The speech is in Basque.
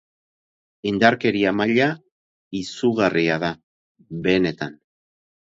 Indarkeria maila izugarria da, benetan.